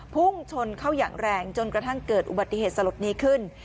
พุ่งชนเข้าอย่างแรงจนกระทั่งเกิดอุบัติเหตุสลดนี้ขึ้น